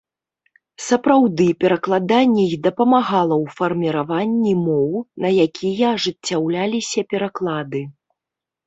Сапраўды, перакладанне і дапамагала ў фарміраванні моў, на якія ажыццяўляліся пераклады.